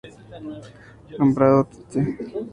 Lombardo, Tte.